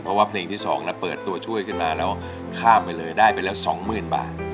เพราะว่าเพลงที่๒เปิดตัวช่วยขึ้นมาแล้วข้ามไปเลยได้ไปแล้ว๒๐๐๐บาท